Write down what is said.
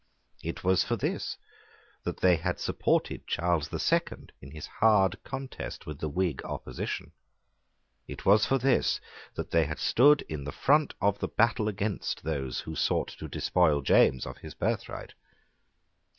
It was for this that they had supported Charles the Second in his hard contest with the Whig opposition. It was for this that they had stood in the front of the battle against those who sought to despoil James of his birthright.